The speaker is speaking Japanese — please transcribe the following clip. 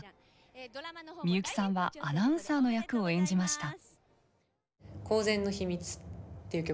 みゆきさんはアナウンサーの役を演じました。